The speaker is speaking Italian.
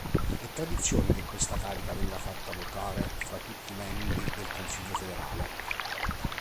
È tradizione che questa carica venga fatta ruotare fra tutti membri del consiglio federale.